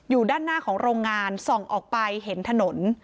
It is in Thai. อยู่ด้านหน้าของโรงงานส่องออกไปเห็นถนน